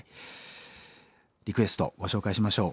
リクエストご紹介しましょう。